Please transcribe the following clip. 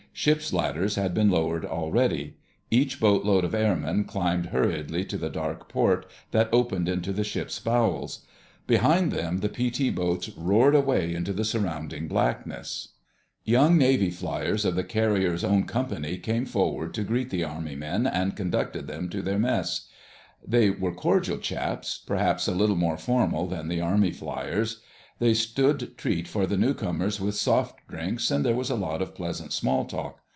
Ship's ladders had been lowered already. Each boatload of airmen climbed hurriedly to the dark port that opened into the ship's bowels. Behind them the PT boats roared away into the surrounding blackness. [Illustration: The Fliers Piled into the Army Trucks] Young Navy fliers of the carrier's own company came forward to greet the Army men and conduct them to their mess. They were cordial chaps, perhaps a little more formal than the Army fliers. They stood treat for the newcomers with soft drinks and there was a lot of pleasant small talk.